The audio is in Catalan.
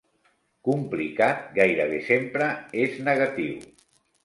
Complicat gairebé sempre és negatiu.